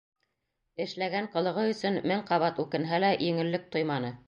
Эшләгән ҡылығы өсөн мең ҡабат үкенһә лә, еңеллек тойманы.